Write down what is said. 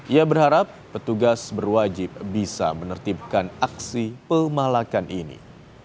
ia berharap petugas berwajib bisa menertibkan aksi pemalakan ini